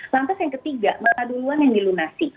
lantas yang ketiga mana duluan yang dilunasi